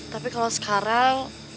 tapi kalau sekarang